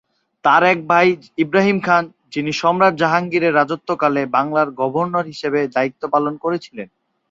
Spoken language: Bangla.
তার এক ভাই ইব্রাহিম খান, যিনি সম্রাট জাহাঙ্গীরের রাজত্বকালে বাংলার গভর্নর হিসাবে দায়িত্ব পালন করেছিলেন।